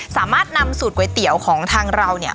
สามารถนำสูตรก๋วยเตี๋ยวของทางเราเนี่ย